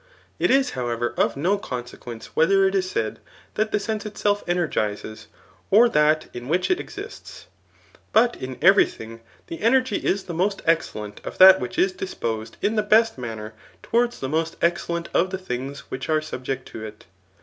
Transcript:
It is, however, of no conse quence, wh^er it is said, that the sense itself energizes, or that in which it exists. But in every thing, the energy is the most excellent of that which is disposed in the Best manner towards the most excellent of the things which are subject to it.